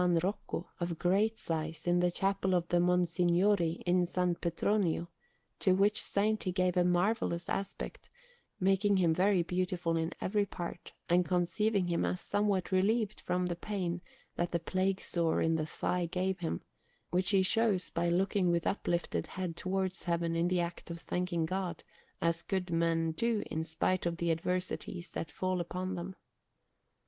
Rocco of great size in the Chapel of the Monsignori in S. Petronio; to which Saint he gave a marvellous aspect, making him very beautiful in every part, and conceiving him as somewhat relieved from the pain that the plague sore in the thigh gave him, which he shows by looking with uplifted head towards Heaven in the act of thanking God, as good men do in spite of the adversities that fall upon them.